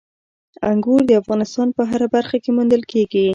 انګور د افغانستان په هره برخه کې موندل کېږي.